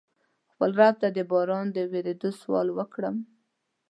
خپل رب ته د باران د ورېدو سوال وکړم.